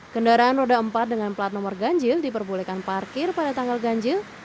kendaraan roda empat dengan plat nomor ganjil diperbolehkan parkir pada tanggal ganjil